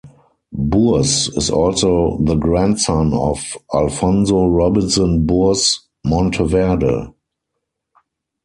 Bours is also the grandson of Alfonso Robinson Bours Monteverde.